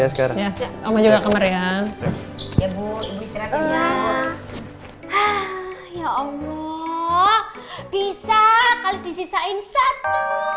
ya allah bisa kali disisain satu